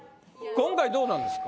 今回どうなんですか？